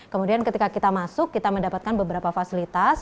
kemudian ketika kita masuk kita mendapatkan beberapa fasilitas